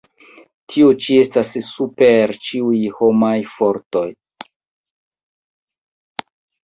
Tio ĉi estas super ĉiuj homaj fortoj!